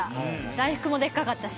大福もでっかかったし。